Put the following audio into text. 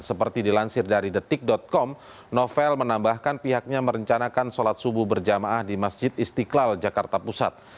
seperti dilansir dari detik com novel menambahkan pihaknya merencanakan sholat subuh berjamaah di masjid istiqlal jakarta pusat